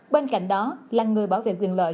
bên cạnh đó là người bảo vệ quyền lợi